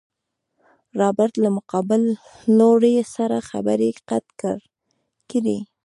رابرټ له مقابل لوري سره خبرې قطع کړې.